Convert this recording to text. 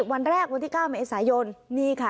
วันแรกวันที่๙เมษายนนี่ค่ะ